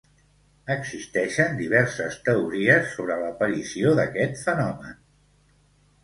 Existeixen diverses teories sobre l'aparició d'aquest fenomen.